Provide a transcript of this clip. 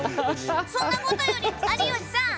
そんなことより有吉さん